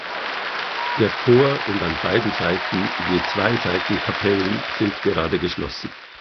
Der Chor und an beiden Seiten je zwei Seitenkapellen sind gerade geschlossen.